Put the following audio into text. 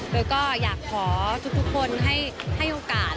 โดยก็อยากขอทุกคนให้โอกาส